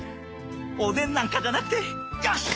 おでんなんかじゃなくてよし！